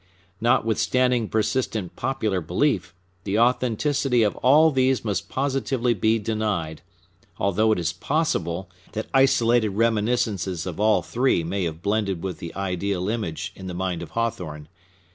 Notwithstanding persistent popular belief, the authenticity of all these must positively be denied; although it is possible that isolated reminiscences of all three may have blended with the ideal image in the mind of Hawthorne.